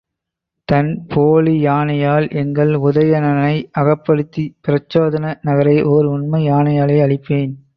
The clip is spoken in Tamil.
தன் போலி யானையால் எங்கள் உதயணனை அகப்படுத்திய பிரச்சோதன நகரை ஓர் உண்மை யானையாலேயே அழிப்பேன்.